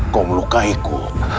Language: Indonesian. kau melukai aku